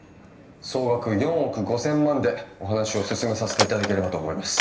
総額４億５，０００万でお話を進めさせていただければと思います。